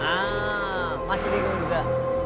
nah masih bingung juga